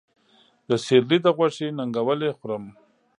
د سېرلي د غوښې ننګولی خورم